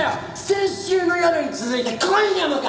先週の夜に続いて今夜もか！